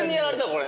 これ。